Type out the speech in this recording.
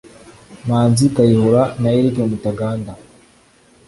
Manzi Kayihura (Thousand Hills Expeditions) na Eric Mutaganda (Merez Petrol Stations)